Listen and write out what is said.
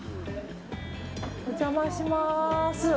お邪魔します。